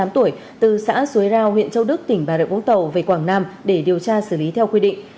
năm mươi tám tuổi từ xã xuế rau huyện châu đức tỉnh bà rợi vũng tàu về quảng nam để điều tra xử lý theo quy định